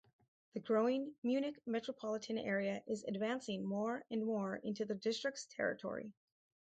The growing Munich metropolitan area is advancing more and more into the district's territory.